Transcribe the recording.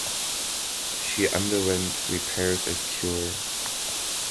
She underwent repairs at Kure.